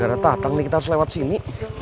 gara gara tatang nih kita harus lewat sini